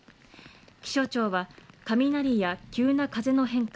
気象庁は雷や急な風の変化